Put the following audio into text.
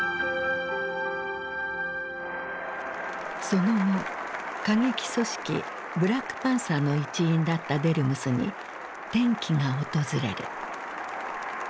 その後過激組織ブラックパンサーの一員だったデルムスに転機が訪れる。